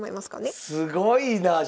すごいな！